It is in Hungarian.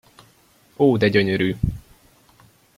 Ó de gyönyörű!